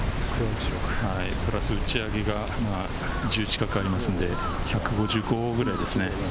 ただ、打ち上げが１０近くありますので、１５５ぐらいですね。